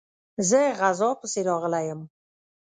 زه غزا پسي راغلی یم.